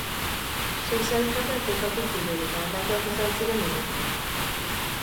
Sei sailkapen jokatu ziren eta honakoak izan ziren emaitzak